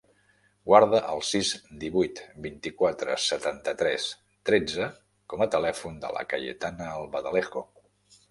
Guarda el sis, divuit, vint-i-quatre, setanta-tres, tretze com a telèfon de la Cayetana Albaladejo.